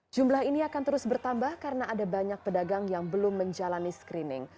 jumlah ini akan terus bertambah karena ada banyak pedagang yang belum menjalani screening